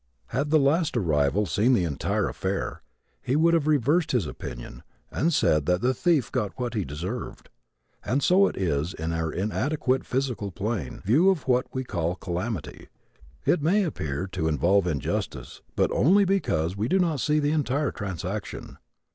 Had the last arrival seen the entire affair he would have reversed his opinion and said that the thief got what he deserved. And so it is in our inadequate physical plane view of what we call a calamity. It may appear to involve an injustice, but only because we do not see the entire transaction.